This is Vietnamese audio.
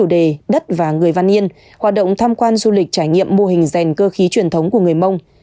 đề đất và người văn yên hoạt động tham quan du lịch trải nghiệm mô hình rèn cơ khí truyền thống của người mông